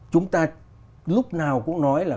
chúng ta lúc nào cũng nói là